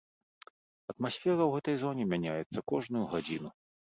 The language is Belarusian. Атмасфера ў гэтай зоне мяняецца кожную гадзіну.